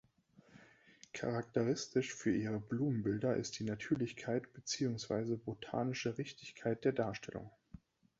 Charakteristisch für ihre Blumenbilder ist die Natürlichkeit beziehungsweise botanische Richtigkeit der Darstellung.